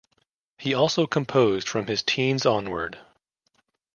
He also composed from his teens onward.